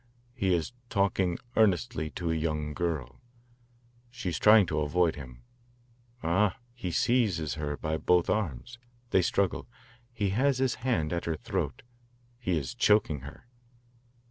"He is talking earnestly to a young girl. She is trying to avoid him. Ah he seizes her by both arms. They struggle. He has his hand at her throat. He is choking her."